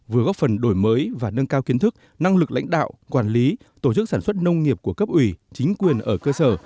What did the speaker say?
vừa góp phần đổi mới và nâng cao kiến thức năng lực lãnh đạo quản lý tổ chức sản xuất nông nghiệp của cấp ủy chính quyền ở cơ sở